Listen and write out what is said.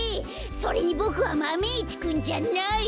それにボクはマメ１くんじゃない！